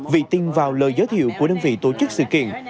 vị tin vào lời giới thiệu của đơn vị tổ chức sự kiện